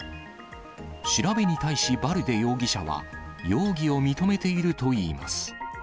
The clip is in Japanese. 調べに対しバルデ容疑者は、容疑を認めているといいます。